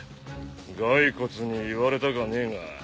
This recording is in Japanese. ガイコツに言われたかねえが。